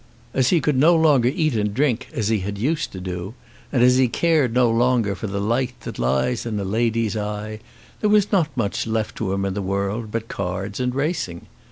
As he could no longer eat and drink as he had used to do, and as he cared no longer for the light that lies in a lady's eye, there was not much left to him in the world but cards and racing.